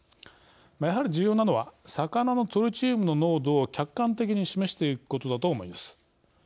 やはり重要なのは魚のトリチウムの濃度を客観的に示していくことだと思います。